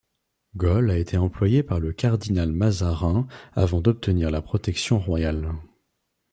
Gole a été employé par le cardinal Mazarin avant d'obtenir la protection royale.